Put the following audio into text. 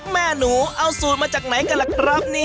แม่หนูเอาสูตรมาจากไหนกันล่ะครับนี่